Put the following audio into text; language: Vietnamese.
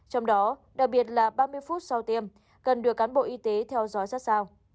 trong đó đặc biệt là ba mươi phút sau tiêm cần được cán bộ y tế theo dõi sát sao